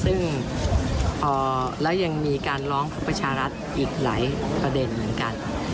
ซึ่งแล้วยังมีการร้องของประชารัฐอีกหลายประเด็นเหมือนกัน